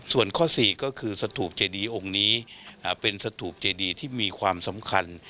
ส่วนข้อ๔ก็คือสถูปเจดีองค์นี้เป็นสถูปเจดีที่มีความสำคัญ